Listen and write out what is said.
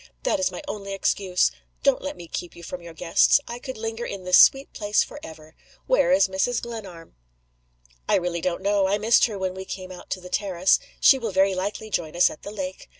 That is my only excuse. Don't let me keep you from your guests. I could linger in this sweet place forever! Where is Mrs. Glenarm?" "I really don't know. I missed her when we came out on the terrace. She will very likely join us at the lake.